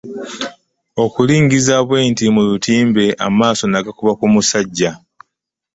Okulingiza bwe nti mu lutimbe, amaaso nagakuba ku musajja.